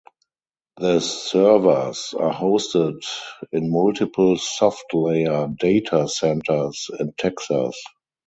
The servers are hosted in multiple SoftLayer datacenters in Texas.